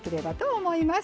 はい。